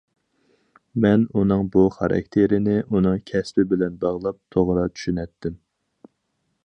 مەن ئۇنىڭ بۇ خاراكتېرىنى ئۇنىڭ كەسپى بىلەن باغلاپ توغرا چۈشىنەتتىم.